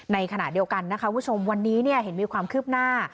ในขณะเดียวกันนะคะคุณผู้ชมวันนี้เห็นมีความคืบหน้า